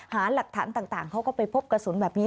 หาหลักฐานต่างเขาก็ไปพบกระสุนแบบนี้